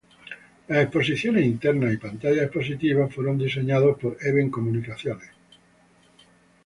Las exposiciones internas y pantallas expositivas fueron diseñadas por Event Communications.